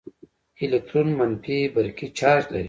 الکترون منفي برقي چارچ لري.